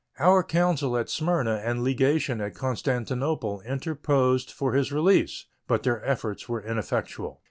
Our consul at Smyrna and legation at Constantinople interposed for his release, but their efforts were ineffectual.